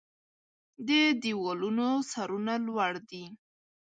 د دیوالونو سرونه لوړ دی